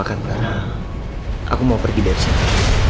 kamu boleh pergi dari sini